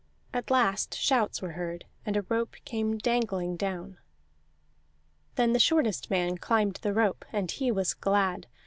At last shouts were heard, and a rope came dangling down. Then the shortest man climbed the rope, and he was glad.